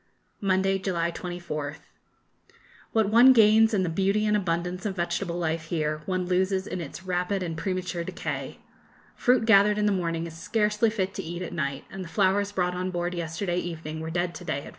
Monday, July 24th. What one gains in the beauty and abundance of vegetable life here, one loses in its rapid and premature decay. Fruit gathered in the morning is scarcely fit to eat at night, and the flowers brought on board yesterday evening were dead to day at 4.